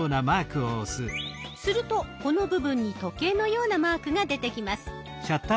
するとこの部分に時計のようなマークが出てきます。